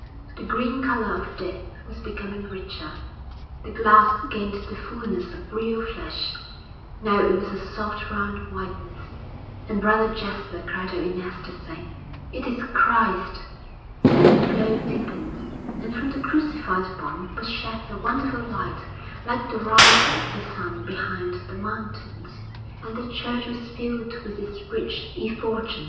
The green colour of death was becoming richer, the glass gained the fulness of real flesh; now it was a soft round whiteness. And Brother Jasper cried out in ecstasy, 'It is Christ!' Then the glow deepened, and from the Crucified One was shed a wonderful light like the rising of the sun behind the mountains, and the church was filled with its rich effulgence.